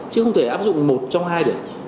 chứ không thể áp dụng một trong hai được